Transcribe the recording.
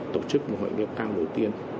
tổ chức một hội nghiệp cao đầu tiên